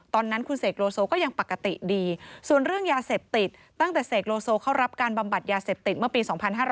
ตอนนั้นคุณเสกโลโซก็ยังปกติดีส่วนเรื่องยาเสพติดตั้งแต่เสกโลโซเข้ารับการบำบัดยาเสพติดเมื่อปี๒๕๕๙